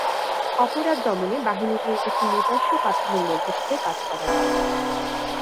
অপরাধ দমনে বাহিনীটির একটি নিজস্ব কাঠামোর মধ্য থেকে কাজ করার কথা।